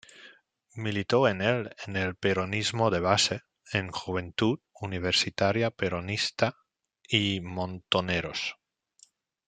Militó en el en el Peronismo de Base, en Juventud Universitaria Peronista y Montoneros.